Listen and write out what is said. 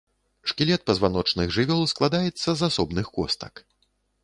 Шкілет пазваночных жывёл складаецца з асобных костак.